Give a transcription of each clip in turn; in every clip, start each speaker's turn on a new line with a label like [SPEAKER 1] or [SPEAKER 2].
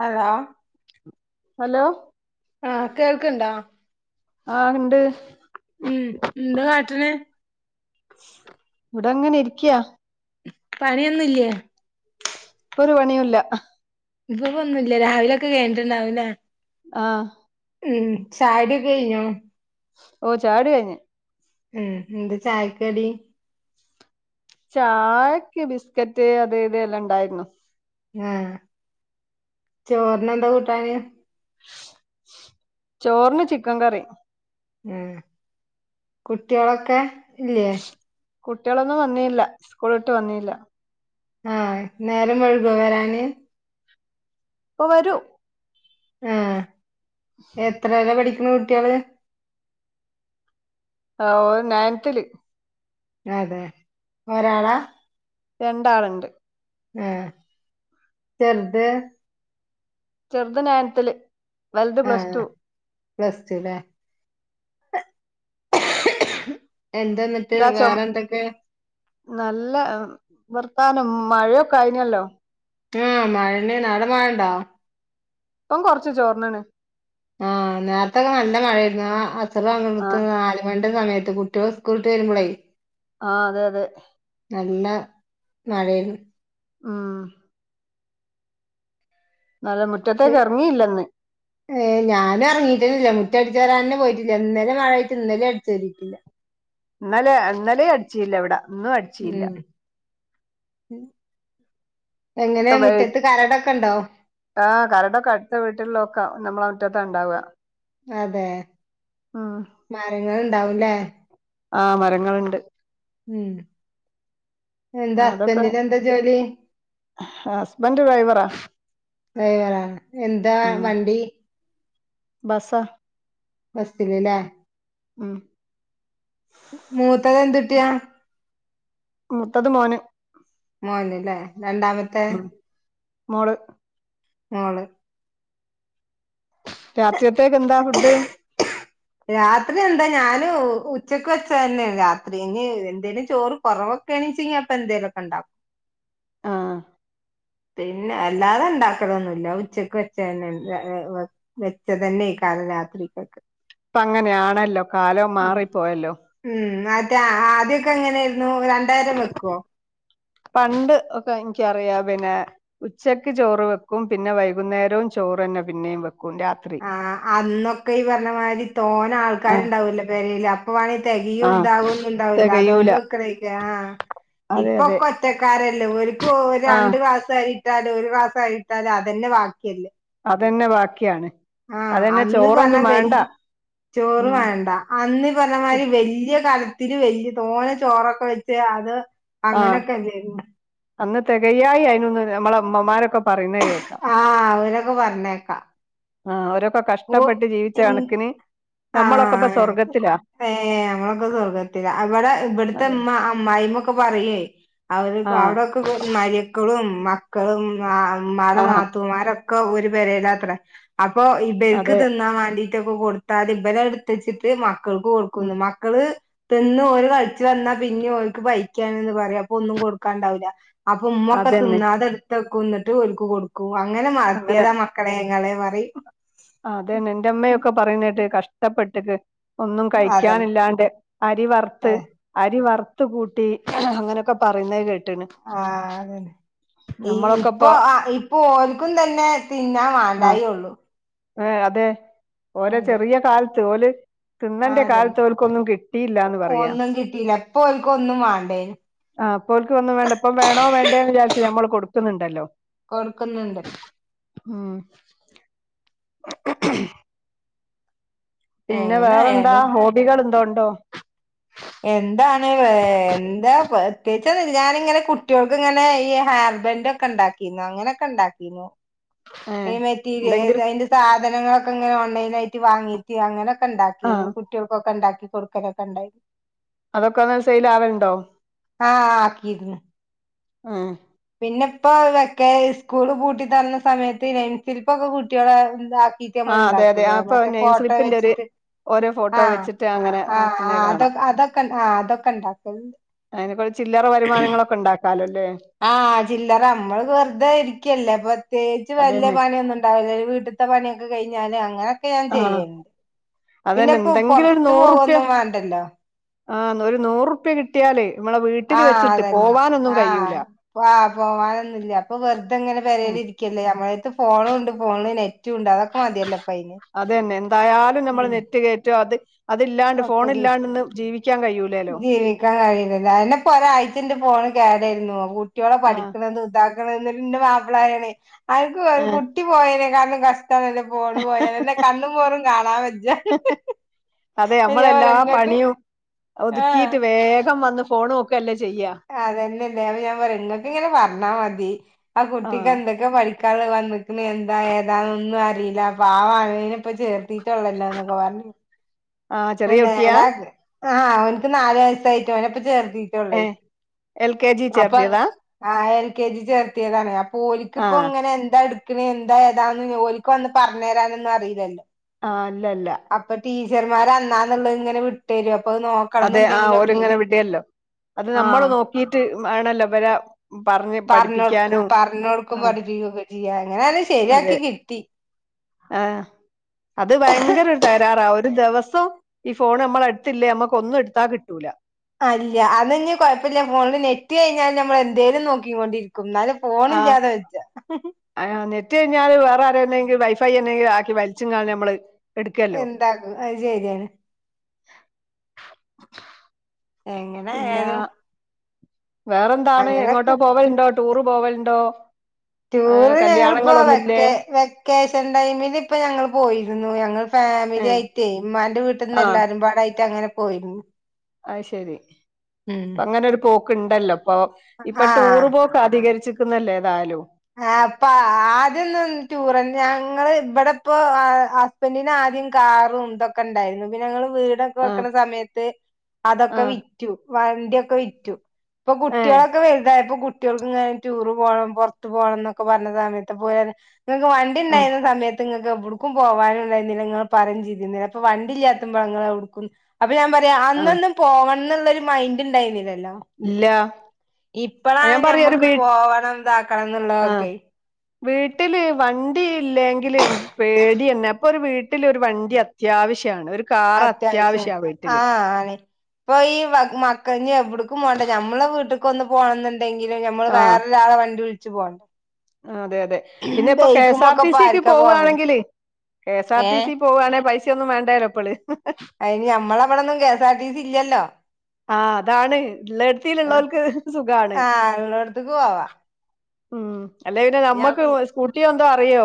[SPEAKER 1] Hello
[SPEAKER 2] hello
[SPEAKER 1] ആഹ് കേൾക്ക്ണ്ടോ
[SPEAKER 2] ആഹ് ഇണ്ട്
[SPEAKER 1] ഉം എന്താ കാട്ട്ണ്
[SPEAKER 2] ഇവ്ട അങ്ങനെ ഇരിക്ക്യാ
[SPEAKER 1] പണിയൊന്നുംല്ല്യേ
[SPEAKER 2] ഇപ്പൊ ഒരു പണിയുല്ല
[SPEAKER 1] ഇപ്പൊ പ്പൊ ഒന്നുല്ല രാവിലൊക്കെ കയ്ഞ്ഞ്ട്ടുണ്ടാവുല്ലേ
[SPEAKER 2] ആഹ്
[SPEAKER 1] ഉം ചായുടിയൊക്കെ കഴിഞ്ഞോ
[SPEAKER 2] ഓഹ് ചായുടി കഴ്ഞ്ഞ്
[SPEAKER 1] ഉം എന്ത് ചായക്ക് കടി
[SPEAKER 2] ചായക്ക് ബിസ്കറ്റ് അത് ഇത് എല്ലാം ഉണ്ടായിരുന്നു
[SPEAKER 1] ആഹ് ചോറിന് എന്താ കൂട്ടാന്
[SPEAKER 2] ചോറ്ന് ചിക്കൻ കറി
[SPEAKER 1] ഉം കുട്ടിയാളൊക്കെ ഇല്ലേ
[SPEAKER 2] കുട്ടിയാളൊന്നും വന്നിയില്ല സ്കൂള്ട്ട് വന്നിയില്ല
[SPEAKER 1] ആഹ് നേരം വഴ്കോ വരാന്
[SPEAKER 2] ഇപ്പൊ വരു
[SPEAKER 1] ആഹ് എത്രയില പഠിക്ക്ണ കുട്ടിയാള്
[SPEAKER 2] ആഹ് ഓള് നയൻത്തില്
[SPEAKER 1] അതെ ഒരാളാ
[SPEAKER 2] രണ്ടാള്ണ്ട്
[SPEAKER 1] ഏഹ് ചെർത്
[SPEAKER 2] ചെർത് നയൻത്ത്ല്
[SPEAKER 1] ആഹ് പ്ലസ് ടു ലേ. എന്താ ന്നട്ട്
[SPEAKER 2] ഇതാ ചൊ
[SPEAKER 1] വേറെ എന്തൊക്കെ.
[SPEAKER 2] നല്ല വർത്താനം മഴ കയിഞ്ഞല്ലോ.
[SPEAKER 1] ആഹ് മഴന്നേണ്. ആവ്ടെ മഴണ്ടോ?
[SPEAKER 2] ഇപ്പം കൊർച്ച് ചോർന്ന്ണ്.
[SPEAKER 1] ആഹ് നേരത്തൊക്കെ നല്ല മഴയായിരുന്നു ആ അസറ് ആവുമ്പ ത്ത്
[SPEAKER 2] ആഹ്
[SPEAKER 1] നാല് മണിന്റെ സമയത്ത് കുട്ട്യാള് സ്കൂള് വിട്ട് വരുമ്പളെയ്
[SPEAKER 2] ആഹ് അതെ അതെ.
[SPEAKER 1] നല്ല മഴേണ്.
[SPEAKER 2] ഉം അതെ മുറ്റത്തേക്ക് എറങ്ങിയില്ല ഇന്ന്.
[SPEAKER 1] ഏ ഞാനും എർങ്ങിട്ടന്നില്ല മുറ്റ അടിച്ചു വരാൻ തന്നെ പോയിട്ടില്ല ഇന്നലെ മഴായിട്ട് ഇലും അടിച്ചു വരിക്കില്ല.
[SPEAKER 2] ഇന്നലെ ന്നലേ അടിച്ചില്ലവടെ ഇന്നും അടി
[SPEAKER 1] ഉം എങ്ങനെ മുറ്റത്ത് കരടൊക്കെ ണ്ടോ?
[SPEAKER 2] ആഹ് കരടൊക്കെ അടുത്ത വീട്ടിള്ളൊക്കെ നമ്മള മുറ്റത്താ ണ്ടാവ.
[SPEAKER 1] അതെ മരങ്ങള്ണ്ടാവും ലേ.
[SPEAKER 2] ആഹ് മരങ്ങള്ണ്ട്.
[SPEAKER 1] ഉം എന്താ
[SPEAKER 2] അതൊക്കെ
[SPEAKER 1] ഹസ്ബന്റിനെന്ത ജോലി?
[SPEAKER 2] ന്റ് ഡ്രൈവറാ.
[SPEAKER 1] ഡ്രൈവറാ, എന്താ വണ്ടി?
[SPEAKER 2] ബസ്സ.
[SPEAKER 1] ബസ്സില് ലേ.
[SPEAKER 2] ഉം
[SPEAKER 1] മൂത്തതെന്തുട്ട്യാ?
[SPEAKER 2] മൂത്തത് മോന്.
[SPEAKER 1] മോന് ല്ലേ രണ്ടാമ
[SPEAKER 2] ഉം മോള്.
[SPEAKER 1] മോള്.
[SPEAKER 2] രാത്രികത്തേക്കെന്താ ഫുഡ്ഡ്?
[SPEAKER 1] രാത്രി എന്താ ഞാന് ഉച്ചക്ക് വെച്ചതന്നേണ് രാത്രി, ഇഞ് എന്തേലും ചോറ് കൊറവൊക്കേണീച്ചെങ്കി അപ്പെന്തേലൊക്കണ്ടാക്കും.
[SPEAKER 2] ആഹ്.
[SPEAKER 1] പിന്നെ അല്ലാതെണ്ടാക്കലൊന്നുല്ല. ഉച്ചക്ക് വെച്ചേന്നെ [unintelligible] വെച്ചതന്നേക്കാരം രാത്രിക്കക്ക്.
[SPEAKER 2] പ്പങ്ങന്യാണല്ലോ കാലം
[SPEAKER 1] ഉം
[SPEAKER 2] മാറിപ്പോയല്ലോ.
[SPEAKER 1] ഉം അതെ, ആദ്യൊക്കെ എങ്ങനേര്ന്നു, രണ്ടേരം വെക്കോ.
[SPEAKER 2] പണ്ട് ഒക്കെ ഇൻക്ക്യറിയാ പിന്നെ. ഉച്ചക്ക് ചോറ് വെക്കും. പിന്നെ വൈകുന്നേരവും ചോറ്ന്നെ പിന്നെയും വെക്കും രാത്
[SPEAKER 1] ആഹ് അന്നൊക്കെ ഈ പർഞ്ഞമാതിരി
[SPEAKER 2] ആ
[SPEAKER 1] തോനാൾക്കാര്ണ്ടാവൊല്ലോ പെരേലപ് പ്പ വാണെ
[SPEAKER 2] ആ
[SPEAKER 1] തെകയും ഇതാകൊന്നും ണ്ടാവൂല്ല,
[SPEAKER 2] തികയൂല
[SPEAKER 1] അതോണ്ട് വെക്കണേക്കും ആഹ്
[SPEAKER 2] അതെ അതെ
[SPEAKER 1] ഇപ്പൊക്കൊറ്റക്കാരല്ലേ ഓല്ക്ക് ഓര്
[SPEAKER 2] ആ
[SPEAKER 1] രണ്ട് ക്ലാസ് സരിട്ടാലും ഒര് ക്ലാസ്സരിട്ടാലും അതന്നെ ബാക്ക്യല്ലേ.
[SPEAKER 2] അതന്നെ ബാക്കിയാണ്.
[SPEAKER 1] ആഹ്
[SPEAKER 2] അതന്നെ
[SPEAKER 1] അന്ന് പർഞ
[SPEAKER 2] ചോറൊന്നും വേണ്ട
[SPEAKER 1] വെല്യ ചോറ്
[SPEAKER 2] ഉം
[SPEAKER 1] വേണ്ട. അന്നീ പർഞ്ഞമാതിരി വല്യ കലത്തില് വല്യ തോന ചോറൊക്കെ വെച്ച് അത്.
[SPEAKER 2] ആ
[SPEAKER 1] അങ്ങനൊക്കല്ലേന്യോ
[SPEAKER 2] അന്ന് തെകയായി അയിനുന്ന് നമ്മളെ മ്മമാരൊക്കെ പറയുന്ന കേക്കാം.
[SPEAKER 1] ആഹ് അവരൊക്കെ പർഞ്ഞേക്കാ.
[SPEAKER 2] ആഹ് അവരൊക്കെ കഷ്ടപ്പെട്ട് ജീവിച്ച കണക്കിന് നമ്മളൊക്കെപ്പ സ്വർഗത്തിലാ
[SPEAKER 1] ഏഹ് ഞങ്ങളൊക്കെ സ്വർഗ്ഗത്തിലാ, അ വടെ
[SPEAKER 2] അതെ
[SPEAKER 1] ഇവട്ത്തെമ്മ അമ്മായിമ്മൊക് ക്കെ പറിയേ അവര്
[SPEAKER 2] ആ
[SPEAKER 1] അവടെക്കെക് മര്യക്കളും മക് ക്കളും ആഹ് മ്മാടെ
[SPEAKER 2] ആ
[SPEAKER 1] നാത്തൂമാരൊക്കെ ഒര് പെരേലാത്രെ അപ്പൊ ഇ ബൽക്ക്
[SPEAKER 2] അതെ
[SPEAKER 1] തിന്നാൻ വേണ്ടിട്ടൊക്കെ കൊട്ത്താല് ഇബലഹ് ഇട്ത്തെച്ചിട്ട് മക്കക്ക്
[SPEAKER 2] ഉം
[SPEAKER 1] കൊട്ക്കുന്ന്, മക്കള് തിന്ന് ഓര് കൾച്ച് വന്നാ പിന്യും ഓൽക്ക് പൈക്യാണ്ന്ന് പറയും. അപ്പൊന്നും കൊട്ക്കാണ്ടാവുലാ അപ്പൊ ഉമ്മ ഒക്കെ
[SPEAKER 2] അതന്നെ
[SPEAKER 1] തിന്നാതെ എട്ത്ത് വെക്കും എന്ന്ട്ട് ഓൽക്ക് കൊടുക്കും അങ്ങനെ
[SPEAKER 2] അങ്ങനെ
[SPEAKER 1] വളർത്തിയതാ മ ക്കളെ നിങ്ങളെ പറയും
[SPEAKER 2] അതെ എന്റെ ഉമ്മയൊക്കെ പറയുന്നത് കേട്ട് കഷ്ട്ടപ്പെട്ടിട്ട് ഒന്നും കഴിക്ക്യാന്
[SPEAKER 1] അതന്നെ
[SPEAKER 2] ഇല്ലാണ്ട് അരി വറുത്ത് അരി വറുത്ത് കൂട്ടി അങ്ങനെ ഒക്കെ പറയുന്നത് കേട്ട്ണ്
[SPEAKER 1] ആഹ് അതന്നെ ഈ ഇപ്പൊ ആഹ് ഇപ്പൊ ഓൽക്കും തന്നെ തിന്നാൻ വാണ്ടായേ ഒള്ളൂ
[SPEAKER 2] ആഹ് അതെ ഓരേ
[SPEAKER 1] അതെ
[SPEAKER 2] ചെറിയ കാലത്ത് ഓല്
[SPEAKER 1] ആ
[SPEAKER 2] തിന്നേൻ്റെ
[SPEAKER 1] അതന്നെ
[SPEAKER 2] കാലത്ത് ഓല്ക്കൊന്നും കിട്ടിയില്ല്യാന്ന് പറയാം
[SPEAKER 1] ഒന്നും കിട്ടിയില്ല ഇപ്പൊ ഓൽക്ക് ഒന്നും വേണ്ടേനും
[SPEAKER 2] ആഹ് ഇപ്പം ഓൽക്ക് ഒന്നും വേണ്ട ഇപ്പം വേണോ വേണ്ടേ എന്ന് വിചാരിച്ച് ഞമ്മള് കൊട്ക്കുന്നുണ്ടല്ലോ
[SPEAKER 1] കൊട്ക്ക്ന്ന്ണ്ട്
[SPEAKER 2] ഉം [inaudible] പിന്നെ
[SPEAKER 1] എങ്ങനെ
[SPEAKER 2] വേറെ എന്താ
[SPEAKER 1] ആയാലും
[SPEAKER 2] ഹോബികള് എന്തോ ഉണ്ടോ
[SPEAKER 1] എന്താണ് ഏഹ് എന്താ പ്രത്യേകിച്ച് ഒന്നു ഇല്ല ഞാന് ഇങ്ങനെ കുട്ടിയേൾക്ക് ഇങ്ങനെ ഈ ഹാൻബന്റെ ഒക്കെ ഇണ്ടാക്കിന് അങ്ങനെ ഒക്കെ ഇണ്ടാക്കീനു
[SPEAKER 2] ഏ
[SPEAKER 1] ഈ മെറ്റീരിയേൽ
[SPEAKER 2] എന്തെങ്കിലും
[SPEAKER 1] അയ്ൻ്റെ സാധനങ്ങളൊക്കെ ഇങ്ങനെ ഓൺലൈന് ആയിട്ട് വാങ്ങീട്ട് അങ്ങനെ ഒക്കെ
[SPEAKER 2] ആ
[SPEAKER 1] ഇണ്ടാക്കിനി ഇപ്പം കുട്ടിയേൾക്ക് ഒക്കെ ഉണ്ടാക്കി കൊട്ക്കലൊക്കെ ഉണ്ടായി
[SPEAKER 2] അതൊക്കെ എന്നിട്ട് സെയില് ആവല് ഉണ്ടോ
[SPEAKER 1] ആഹ് ആക്കിര്ന്ന്
[SPEAKER 2] ഉം
[SPEAKER 1] പിന്നെ ഇപ്പോ വെക്കേ സ്കൂള് പൂട്ടി തുറന്ന സമയത്ത് ഈ നെയിംസ്ലിപ്പ് ഒക്കെ കുട്ടിയേളെ ഇതാക്കി ക്കി
[SPEAKER 2] ആ
[SPEAKER 1] നമ്മള്
[SPEAKER 2] അതെ അതെ ആ
[SPEAKER 1] ഇണ്ടാക്കുല്ലേ
[SPEAKER 2] ഇപ്പൊ
[SPEAKER 1] മറ്റേ
[SPEAKER 2] നെയിം
[SPEAKER 1] ഫോട്ടോ
[SPEAKER 2] സ്ലിപ്പിന്റെ ഒരു
[SPEAKER 1] വെച്ചിട്ട്
[SPEAKER 2] ഓരോ ഫോട്ടോ
[SPEAKER 1] ആഹ്
[SPEAKER 2] വെച്ചിട്ട് അങ്ങനെ
[SPEAKER 1] ആഹ്
[SPEAKER 2] ആക്കുന്നത്
[SPEAKER 1] ആഹ് അതൊ
[SPEAKER 2] കാണാം
[SPEAKER 1] അതൊക്കെ ഇൻ ആഹ് അതൊക്കെ ഇണ്ടാക്കല്ണ്ട്
[SPEAKER 2] അതിന് കൊറെ ചില്ലറ വരുമാനങ്ങളൊക്കെ ഇണ്ടാക്കാലോ അല്ലേ
[SPEAKER 1] ആഹ് ചില്ലറ നമ്മള് വെറുതെ ഇരിക്ക്യല്ലേ പ്രത്യേകിച്ച് വല്ല്യ
[SPEAKER 2] അതന്നെ
[SPEAKER 1] പണിയൊന്നും ഇ ണ്ടാവല് വീട്ട്ത്തെ പണിയൊക്കെ കഴിഞ്ഞാല് അങ്ങനെ ഒക്കെ ഞാൻ ചെയ്യല്ണ്ട്
[SPEAKER 2] അത്
[SPEAKER 1] പിന്നെ
[SPEAKER 2] തന്നെ
[SPEAKER 1] ഇപ്പോ
[SPEAKER 2] എന്തെങ്കിലും ഒര്
[SPEAKER 1] പൊറത്ത്
[SPEAKER 2] നൂറ് ഉറുപ്യ
[SPEAKER 1] പോവൊന്നും വേണ്ടല്ലോ
[SPEAKER 2] ആഹ് ഒര് നൂറു ഉറുപ്യ കി കിട്ടിയാലേ നമ്മളെ വീട്ടില്
[SPEAKER 1] ആഹ്
[SPEAKER 2] വെച്ചിട്ട്
[SPEAKER 1] അതന്നെ
[SPEAKER 2] പോവാനൊന്നും കഴിയൂല
[SPEAKER 1] ഇപ്പം വെറ്തെ ഇങ്ങനെ
[SPEAKER 2] ഉം
[SPEAKER 1] പെരേല് ഇരിക്ക്യല്ലേ നമ്മളെ എടുത്ത് ഫോണു ഉണ്ട് ഫോണ്ല് നെറ്റും ഉണ്ട് അതൊക്കെ മതിയല്ലോ ഇപ്പൊ അയ്ന്
[SPEAKER 2] അത് തന്നെ എന്തായാലും ഞമ്മള് നെറ്റ് കയറ്റും അത് അത് ഇല്ലാണ്ട്
[SPEAKER 1] ഒക്കെ
[SPEAKER 2] ഫോണ്
[SPEAKER 1] ജീ
[SPEAKER 2] ഇല്ലാണ്ട് ഇന്ന് ജീവിക്കാൻ കഴിയൂ
[SPEAKER 1] ജീവിക്കാൻ കഴിയൂലല്ലോ അത് തന്നെ ഇപ്പൊ ഒരാഴ്ച ഇന്റെ ഫോണ് കേടായിരുന്നു കുട്ടിയോളെ
[SPEAKER 2] ആ
[SPEAKER 1] പഠിക്ക്ണതും ഇതാ ക്ക്ണ്ന്ന് ഇന്നട്ട് ഇന്റെ മാപ്പിള പറയാണേ അനക്ക്
[SPEAKER 2] ആ
[SPEAKER 1] അന്റെ കുട്ടി പോയേനെക്കാട്ടിലും കഷ്ടാണല്ലോ ഫോണ് പോയാല് അൻ്റെ കണ്ണും മോറും കാണാൻ വയ്യ
[SPEAKER 2] അതെ
[SPEAKER 1] അയില് ഞാൻ
[SPEAKER 2] നമ്മളെല്ലാ
[SPEAKER 1] പറഞ്ഞു ഇങ്ങക്ക്
[SPEAKER 2] പണിയും
[SPEAKER 1] ആഹ്
[SPEAKER 2] ഒതുക്കിയിട്ട് വേഗം വന്ന് ഫോൺ നോക്കല്ലേ ചെയ്യാ
[SPEAKER 1] അത് തന്നെ അല്ലേ അപ്പൊ ഞാൻ പറയും ഇങ്ങക്ക് ഇങ്ങനെ പറഞ്ഞാ മതി ആ കുട്ടിക്ക് എന്തെ ക്കെ പഠിക്കാള്ളത് വന്ന്ക്ക്ണത് എന്താ ഏതാന്നൊന്നും അറിയില്ല പാവാണ് അതിനെ ഇപ്പൊ ചേർത്തി ട്ടൊള്ളല്ലോ എന്നൊക്കെ പറഞ്ഞ്
[SPEAKER 2] ആ
[SPEAKER 1] ആഹ്
[SPEAKER 2] ചെറിയ കുട്ടിയാ
[SPEAKER 1] നേരാ [unintelligible] ആഹ് അവന്ക്ക് നാല് വയസ്സായിട്ടുള്ളു അവനെ ഇപ്പൊ ചേർത്തി
[SPEAKER 2] ഏ
[SPEAKER 1] റ്റൊള്ളേയ്
[SPEAKER 2] എൽ കെ ജി
[SPEAKER 1] അപ്പൊ
[SPEAKER 2] ചേർത്തിയതാ
[SPEAKER 1] ആഹ് എൽ കെ ജി ചേർത്തിയതാണ് അ ഓൽല്
[SPEAKER 2] ആ
[SPEAKER 1] ഇപ്പം ഇങ്ങനെ എന്താ എട്ക്കണെ എന്താ ഏതാ ഒന്നും ഓല്ക്ക് വന്ന് പറഞ്ഞ് തരാനൊന്നും അറിയിലല്ലോ
[SPEAKER 2] ആഹ് ഇല്ല ഇല്ല
[SPEAKER 1] അപ്പൊ ടീച്ചർമാര് അന്നാന്നുള്ളത് ഇങ്ങനെ വിട്ട് തരും അപ്പൊ അത് നോ
[SPEAKER 2] അതെ ആഹ് ഓര് ഇങ്ങനെ വിടൊല്ലോ അത് നമ്മള്
[SPEAKER 1] ആഹ്
[SPEAKER 2] നോക്കീട്ട് വേണല്ലോ ഇവരെ പറഞ്ഞ്
[SPEAKER 1] പറഞ്ഞൊട്ക്കും
[SPEAKER 2] പഠിപ്പിക്കാനും
[SPEAKER 1] പറഞ്ഞ് കൊട്ക്കും
[SPEAKER 2] ആ
[SPEAKER 1] പഠിപ്പിച്ചൊക്കെ ചെയ്യാ അങ്ങനെ അത് ശെരിയാക്കി കിട്ടി
[SPEAKER 2] ആഹ് അത് ഭയങ്കര തകരാറാ ഒരു ദിവസവും ഈ ഫോൺ അമ്മളെ എടുത്തില്ലേ അമ്മക്ക് ഒന്നും ഇടുത്താ കിട്ടൂല
[SPEAKER 1] അല്ല അത് ഇഞ് കൊഴപ്പല്ല ഫോണില് നെറ്റ് കഴിഞ്ഞാൽ നമ്മൾ എന്തേലും നോക്കിക്കൊണ്ടിരിക്കും ഇന്നാലും ഫോണില്ലാതെ വെജ്ജാ
[SPEAKER 2] ആ നെറ്റ് കഴിഞ്ഞാലും വേറെ ആരേന്നേങ്കും വൈഫൈ എന്തെങ്കിലും ആക്കി വലിച്ചും കാണും ഞമ്മള്
[SPEAKER 1] എന്താക്കും അത് ശരിയാണ്. എങ്ങനെ
[SPEAKER 2] പിന്നെ
[SPEAKER 1] ആയാലും
[SPEAKER 2] വേറെന്താണ് എങ്ങോട്ടോ
[SPEAKER 1] അങ്ങനൊക്കെ
[SPEAKER 2] പോവലുണ്ടോ ടൂറ് പോവലുണ്ടോ? ഏഹ്
[SPEAKER 1] ടൂറ് ഞങ്ങളിപ്പോ
[SPEAKER 2] കല്യാണങ്ങളൊന്നുല്ലേ
[SPEAKER 1] വെക്കേ വെക്കേഷൻ ടൈമില് ഇപ്പ ഞങ്ങൾ പോയിരുന്നു ഞങ്ങള് ഫാമിലി
[SPEAKER 2] ഏഹ്
[SPEAKER 1] ആയിട്ടേ ഇമ്മാന്റെ വീട്ടിന്ന്
[SPEAKER 2] ആഹ്
[SPEAKER 1] എല്ലാരുംപാടായിട്ട് അങ്ങനെ പോയിരുന്നു
[SPEAKER 2] അത് ശെരി
[SPEAKER 1] ഉം
[SPEAKER 2] ഇപ്പ അങ്ങനൊര് പോക്ക് ഇണ്ടല്ലോ ഇപ്പൊ ഇപ്പൊ
[SPEAKER 1] ആഹ്
[SPEAKER 2] ടൂറ് പോ ക്ക് അതികരിച്ചിരിക്കുന്നല്ലോ ഏതായാലും
[SPEAKER 1] ആ അപ്പ ആദ്യൊന്നും ടൂർ ഞങ്ങള് ഇവിടെപ്പോ ഹ ഹസ്ബൻഡ്ന് ആദ്യം കാറും ഇതൊക്കെ ഇണ്ടായിരുന്നു പിന്നെ ഞങ്ങൾ വീടൊ
[SPEAKER 2] ആഹ്
[SPEAKER 1] ക്കെവെക്കണ സമയത്ത് അതൊക്കെ
[SPEAKER 2] ആഹ്
[SPEAKER 1] വി റ്റു വണ്ടിയൊക്കെ വിറ്റു ഇപ്പൊ
[SPEAKER 2] ഏഹ്
[SPEAKER 1] കുട്ടിയാളൊക്കെ വലുതായപ്പൊ കുട്ടിയാൾക്ക് ഇങ്ങനെ ടൂറ് പോണം പൊറ ട്ത്ത് പോണന്നൊക്കെ പറഞ്ഞ സമയത്ത് [unintelligible] ഇങ്ങക്ക്
[SPEAKER 2] ആഹ്
[SPEAKER 1] വണ്ടിണ്ടായിന്ന സമയ ത്ത് ഇങ്ങക്ക് എവിടുക്കും പോവാനും ഇണ്ടായിന്നില്ല ഇങ്ങൾ പറയും ചെയ്തിന്നില ഇപ്പൊ വണ്ടി ഇല്ല്യതുമ്പ ഇങ്ങളെവിടുക്കും അപ്പൊ ഞാൻ പറയാം
[SPEAKER 2] ആഹ്
[SPEAKER 1] അന്നൊന്നും പോവണം എന്നുള്ളരു മൈൻഡ് ഉണ്ടായിന്നിലല്ലോ
[SPEAKER 2] ഇല്ല
[SPEAKER 1] ഇപ്പളാണ്
[SPEAKER 2] ഞാൻ പറയാ ഒരു
[SPEAKER 1] ഞമ്മക്ക്
[SPEAKER 2] വീ
[SPEAKER 1] പോവണം ഇതാക്കണം
[SPEAKER 2] ആഹ്
[SPEAKER 1] എന്നുള്ളതൊക്കെ
[SPEAKER 2] വീട്ടില് വണ്ടി ഇല്ലെങ്കിലും പേടിയെന്നെ ഇപ്പൊ ഒരു വീട്ടില് ഒരു വണ്ടി അ ത്യാവിശ്യാണ് ഒരു കാർ അത്യാവിശ്യ വീട്ടില്
[SPEAKER 1] ആ ആണ് ഇപ്പൊ ഈ മക്ക ഇഞ് എവിടക്കും പോണ്ട ഞമ്മളെ വീട്ടിക്കൊന്ന് പോണന്ന് ണ്ടെങ്കിലും ഞമ്മൾ
[SPEAKER 2] ആഹ്
[SPEAKER 1] വേറൊരാളെ വണ്ടി വിളിച്ച് പോണ്ടേ.
[SPEAKER 2] അതെ അതെ പിന്നെ ഇപ്പ കെ എസ് ആർ
[SPEAKER 1] ബൈക്കുമൊക്കെ
[SPEAKER 2] ടി
[SPEAKER 1] ഇപ്പൊ
[SPEAKER 2] സിക്ക്
[SPEAKER 1] ആർക്കാ പോവ
[SPEAKER 2] പോവുവാണെങ്കിൽ കെ എസ് ആർ ടി
[SPEAKER 1] ഏഹ്
[SPEAKER 2] സി പോവാണേ പൈസ ഒന്നും വേണ്ടേല്ലോ ഇപ്പള്
[SPEAKER 1] അയ്ന് ഞമ്മളവിടെന്നും K S R T C ഇല്ലല്ലോ
[SPEAKER 2] ആ അതാണ് ഉള്ളയിടുത്തിലുള്ളോർക്ക് സുഖാണ്
[SPEAKER 1] ആഹ് ഉള്ളോട്ത്തക്ക് പോവാ
[SPEAKER 2] ഉം അല്ലെ പിന്നെ നമ്മക്ക്
[SPEAKER 1] ഞാൻ
[SPEAKER 2] സ്കൂട്ടി എന്തോ അറിയോ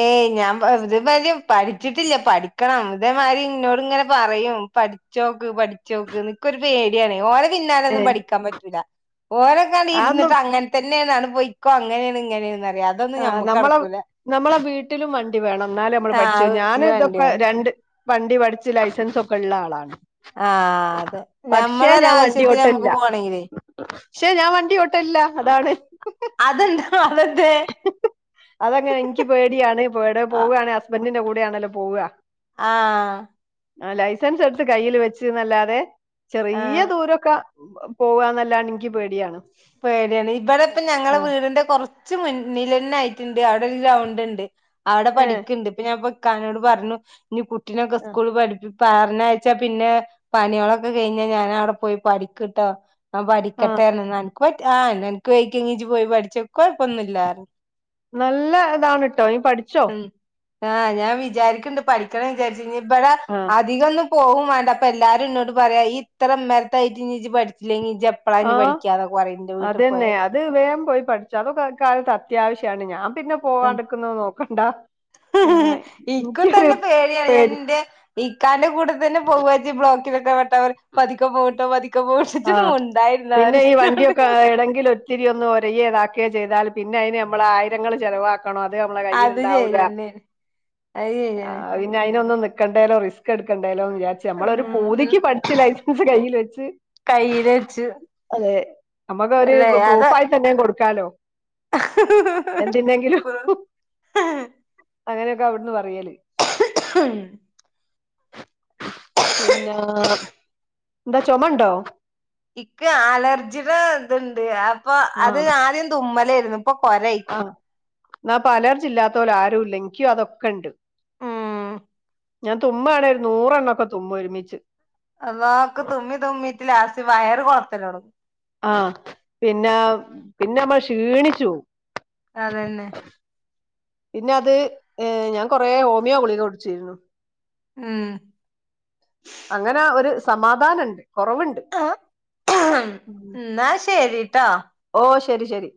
[SPEAKER 1] ഏയ് ഞാൻ ഇതേമാതി പഠിച്ചിട്ടില്ല പഠിക്കണം ഇതേമാരി ഇന്നോട് ഇങ്ങനെ പറയും പഠിച്ചോക്ക് പഠിച്ചോക്ക് നിക്കൊ രു പേടിയാണ് ഓര പിന്നാലൊന്നും പഠിക്കാൻ പറ്റൂല്ല ഓരോക്കാണ്ട്
[SPEAKER 2] അതൊന്നും
[SPEAKER 1] ഇരിന്നിട്ട് അങ്ങൻ തന്നെയാണ് അങ്ങട് പോയിക്കോ അങ്ങനേണ് ഇങ്ങനേണ് പറായ അ
[SPEAKER 2] ആ നമ്മളെ നമ്മളെ വീട്ടിലും വണ്ടി വേണം ഇന്നാളെ നമ്മൾ
[SPEAKER 1] ആഹ്
[SPEAKER 2] പഠിച്ചു ഞാൻ
[SPEAKER 1] വീട്ടില് വണ്ടി
[SPEAKER 2] ഇതൊക്കെ
[SPEAKER 1] വേണം
[SPEAKER 2] രണ്ട് വണ്ടി പഠിച്ച് ലൈസൻസ് ഒക്കെ ഇള്ള ആളാണ്
[SPEAKER 1] ആഹ് അതെ
[SPEAKER 2] പക്ഷെ ഞാൻ വണ്ടി
[SPEAKER 1] ഞമ്മളൊരാവശ്യത്തി
[SPEAKER 2] ഓട്ടലില്ല
[SPEAKER 1] ഞമ്മക്ക് പോണെങ്കിലെ
[SPEAKER 2] പക്ഷെ ഞാൻ വണ്ടിയോട്ടലില്ലാ അതാണ്
[SPEAKER 1] അതെന്താ [unintelligible]
[SPEAKER 2] അതങ്ങെനെ ഇനിക്ക് പേടിയാണ് എവടെ
[SPEAKER 1] ആഹ്
[SPEAKER 2] പോവണെ ഹസ്ബന്റിന്റെ കൂടെയാണല്ലോ പോവുക
[SPEAKER 1] ആഹ്
[SPEAKER 2] ആഹ് ലൈസൻസ് എടുത്ത് കയ്യിൽ വെച്ചന്നല്ലാതെ ചെറിയെ ദൂരൊക്കെ പോവാന്നല്ലാന്നെ ഇൻക്ക് പേടിയാണ്
[SPEAKER 1] പേടിയാണ് ഇവിടെ ഇപ്പ ഞങ്ങളെ
[SPEAKER 2] ആഹ്
[SPEAKER 1] വീടിന്റെ കൊറ കുറച്ച് മുന്നിലന്നെ ആയിട്ടുണ്ട് അവിടെ ഒരു ഗ്രൗണ്ട് ഉണ്ട് അവിടെ
[SPEAKER 2] ഏഹ്
[SPEAKER 1] പഠിക്കണ്ട് ഇപ്പൊ ഞാൻ ഇകാനോട് പറഞ്ഞു ഇനി കുട്ടിനൊക്കെ സ്കൂളിൽ പഠിപ്പിക്ക പറഞ്ഞാഴച്ചാ പിന്നെ പണികളൊക്കെ കഴിഞ്ഞാ ഞാന അവിടെ പോയി പഠിക്കുട്ടോ ആ
[SPEAKER 2] ആഹ്
[SPEAKER 1] പഠിക്കട്ടെന്ന് ആ അനക്ക് വൈക്കോ ങ്ങ ജ്ജ് പോയി പഠിച്ചോ ഇക്ക് െക്കഴപ്പൊന്നു ഇല്ല പറഞ്ഞു
[SPEAKER 2] നല്ല ഇതാണ് ട്ടോ നീ പഠിച്ചോ
[SPEAKER 1] ആഹ് ഞാൻ വിചാരിക്കണ്ട് പഠിക്കണം വിചാരിച്ച ഇ ഇവിടെ
[SPEAKER 2] ആഹ്
[SPEAKER 1] അധികന്നും പോകും വേണ്ട അപ്പൊ എല്ലാരും എന്നോട് പറയാ ഈ ഇത്ര ഇമ്മരത്തായിട്ട് ഇജ് പഠിച്ചില്ലെങ്കിൽ ഇജ് എപ്പളാ ഇനി
[SPEAKER 2] ആഹ്
[SPEAKER 1] പഠിക്കാന്ന്
[SPEAKER 2] അതന്നെ അത് വേഗം പോയി പഠിച്ചോ അതൊക്കെ ഇ കാലത്ത് അത്യാവശ്യാണ് ഞാൻ പിന്നെ
[SPEAKER 1] ഉം
[SPEAKER 2] പോവാണ്ട്ക്കുന്നത് നോക്കണ്ട പിന്നെ
[SPEAKER 1] ഇക്കും
[SPEAKER 2] എനിക്കൊരു
[SPEAKER 1] തന്നെ പേടിയാണ് ഞാൻ
[SPEAKER 2] പേടി
[SPEAKER 1] എന്റെ ഇക്കാന്റെ കൂടെ തന്നെ പോക ബ്ലോക്കിലൊക്കെ പെട്ടാൽ പറയുംപതിക്കോ പോട്ടോ പതിക്ക പോട്ടോ ഇജ് ന്ന് മുണ്ടായിരുന്ന ന്നറയും
[SPEAKER 2] എവിടെങ്കിലും ഒത്തിരി ഒന്ന് ഒരയെതാക്കയോ ഇതാക്ക ചെയ്താൽ പിന്നെ അയിന് നമ്മള് ആയിരങ്ങള് ചിലവാക്ക ണം അത് നമ്മളെ
[SPEAKER 1] അത്
[SPEAKER 2] കയ്യിൽണ്ടാവൂല
[SPEAKER 1] ശരിയന്നെയാണ് അത് ശരിയാണ്
[SPEAKER 2] പിന്നെ അതിനൊന്നന്ന് നൽക്കേണ്ടേലോ റിസ്ക് എടുക്കേണ്ടേലോന്ന് വിചാച്ചി നമ്മള ഒരു
[SPEAKER 1] ഉം ഉം
[SPEAKER 2] പൂതിക്ക് പഠിച്ച ലൈസൻസ് കയ്യിൽ വെച്ച്
[SPEAKER 1] കയ്യില് വെച്ചു
[SPEAKER 2] അതെ
[SPEAKER 1] അല്ലെ അത്
[SPEAKER 2] നമ്മുക്ക്ര്പ്രൂഫായി തന്നെയ കൊടുക്കാലോ എന്തിൻ്റെങ്കിലും അങ്ങനെയൊക്കെ അവിടുന്ന് പറയല്
[SPEAKER 1] ആ
[SPEAKER 2] പിന്നെ എന്താ ചൊമണ്ടോ
[SPEAKER 1] ഇക്ക് അലർജിയുടെ ഇതുണ്ട് അപ്പൊ അത്
[SPEAKER 2] ആഹ്
[SPEAKER 1] ആദ്യം തുമ്മലായിരുന്നു ഇപ്പൊ കൊരയ്
[SPEAKER 2] എന്ന പ്പോ അലർജില്ലാത്തോരാരു ഇല്ല എനിക്കും അതൊക്കെ ഉണ്ട്
[SPEAKER 1] ഉം
[SPEAKER 2] ഞാൻ തുമ്മാണേ ങ്കിഒരു നൂറ എണ്ണൊക്കെ തുമ്മും ഒരുമിച്ച്
[SPEAKER 1] അള്ളാ എനിക്ക് തുമ്മി തുമ്മിട്ട ലാസ്റ്റ് വയറ് കൊളത്തല്ലോടങ്ങും
[SPEAKER 2] ആഹ പിന്നെ പിന്നെ നമ്മള് ക്ഷീണിച്ചു പോവും
[SPEAKER 1] അതന്നെ
[SPEAKER 2] പിന്നെ അത് ഏഹ ഞാൻ കുറെ ഹോമിയോ ഗുളിക കുടിച്ചിരുന്നു
[SPEAKER 1] ഉം
[SPEAKER 2] അങ്ങനെ ഒരു സമാധാനംണ്ട് കുറവുണ്ട്
[SPEAKER 1] ആഹ എന്നാ ശരിട്ടോ
[SPEAKER 2] ഓഹ ശരി ശരി